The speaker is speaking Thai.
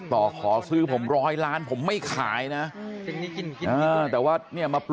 ต้องมาซื้อผมร้อยล้านผมไม่ขายนะ